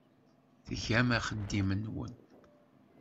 Tgam axeddim-nwen.